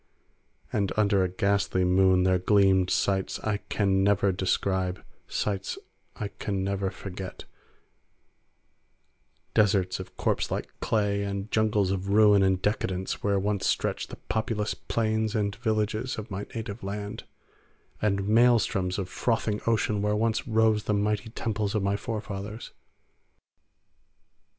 And under a ghastly moon there gleamed sights I can never describe, sights I can never forget; deserts of corpselike clay and jungles of ruin and decadence where once stretched the populous plains and villages of my native land, and maelstroms of frothing ocean where once rose the mighty temples of my forefathers.